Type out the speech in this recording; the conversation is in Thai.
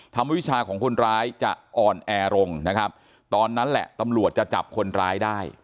วิชาของคนร้ายจะอ่อนแอลงนะครับตอนนั้นแหละตำรวจจะจับคนร้ายได้